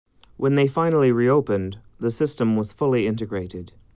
When they finally reopened, the system was fully integrated.